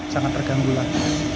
sangat terganggu lah